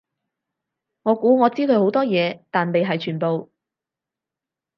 我估我知佢好多嘢，但未係全部